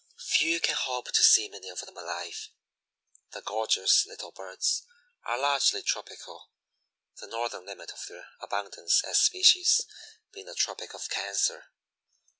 Few can hope to see many of them alive. The gorgeous little birds are largely tropical, the northern limit of their abundance as species being the Tropic of Cancer.